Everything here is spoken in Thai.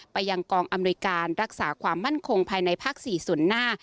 ไปยังกองอำนวยการรักษาความมั่นคงภายในภาค๔ส่วนหน้า